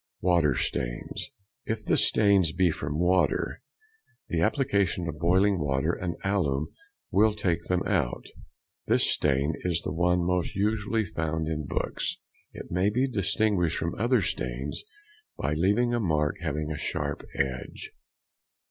Water stains.—If the stains be from water, the application of boiling water and alum will take them out. This stain is the one most usually found in books, it may be distinguished from other stains by leaving a mark having a sharp edge.